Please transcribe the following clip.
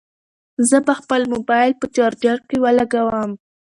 زه به خپل موبایل په چارجر کې ولګوم.